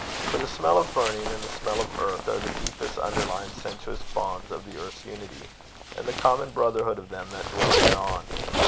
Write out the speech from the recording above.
For the smell of burning and the smell of earth are the deepest underlying sensuous bonds of the earth's unity, and the common brotherhood of them that dwell thereon.